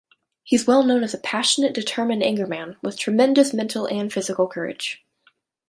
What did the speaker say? He's well known as a passionate, determined anchorman with tremendous mental and physical courage.